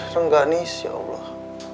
rengganis ya allah